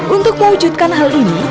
untuk mewujudkan hal ini